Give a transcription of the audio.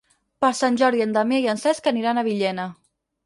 Per Sant Jordi en Damià i en Cesc aniran a Villena.